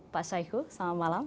pak syaihu selamat malam